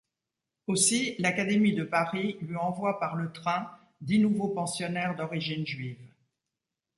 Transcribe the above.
Aussi, l'Académie de Paris lui envoie par le train dix nouveaux pensionnaires d'origine juive.